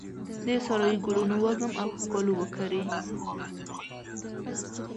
د سارایې ګلونو وږم او ښکالو وکرې